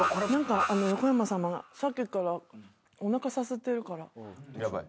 何か横山さまがさっきからおなかさすってるから。